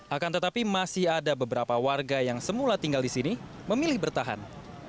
akan tetapi masih ada beberapa warga yang semula tinggal di sini memilih bertahan